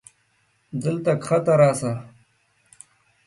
دلته کښته راسه.